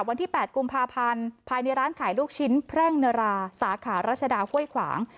วันที่๘กุมภาพันธ์ภายในร้านขายลูกชิ้นแพร่งเนราสาขารัชดาห้วยขวาง